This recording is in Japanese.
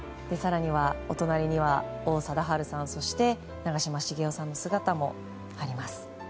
お隣には王貞治さん、そして長嶋茂雄さんの姿もあります。